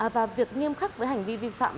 và việc nghiêm khắc với hành vi vi phạm